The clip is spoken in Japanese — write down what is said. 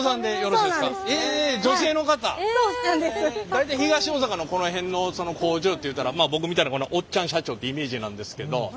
大体東大阪のこの辺のその工場っていうたらまあ僕みたいなおっちゃん社長ってイメージなんですけど。